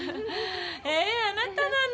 へえあなたなの。